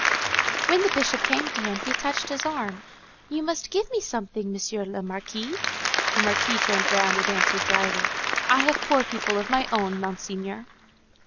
When the Bishop came to him, he touched his arm, "You must give me something, M. le Marquis." The Marquis turned round and answered dryly, _"I have poor people of my own, Monseigneur."